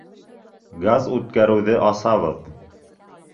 Газ үткәреүҙе асабыҙ!